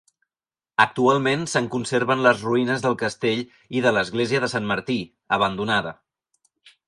Actualment se'n conserven les ruïnes del castell i de l'església de Sant Martí, abandonada.